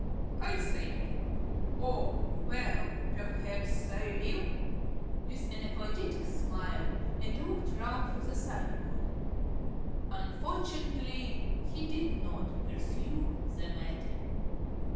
I said, "Oh, well, perhaps I will," with an apologetic smile, and looked round for the sideboard. Unfortunately he did not pursue the matter....